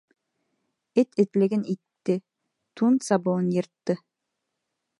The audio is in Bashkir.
Эт этлеген итте, тун сабыуын йыртты.